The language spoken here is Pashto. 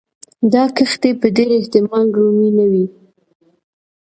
دا کښتۍ په ډېر احتمال رومي نه وې.